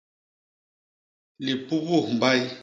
Lipubus mbay.